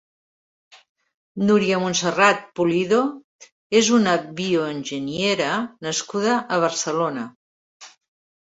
Núria Montserrat Pulido és una bioenginyera nascuda a Barcelona.